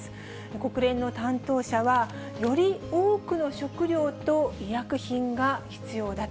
国連の担当者は、より多くの食料と医薬品が必要だと。